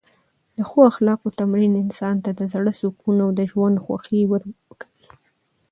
د ښو اخلاقو تمرین انسان ته د زړه سکون او د ژوند خوښۍ ورکوي.